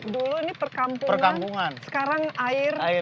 dulu ini perkampungan sekarang air